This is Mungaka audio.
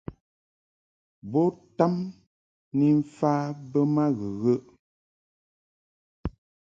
Bo tam ni mfa be ma ghəghəʼ.